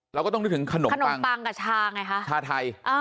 เราก็ต้องนึกถึงขนมขนมปังกับชาไงคะชาไทย